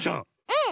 うん！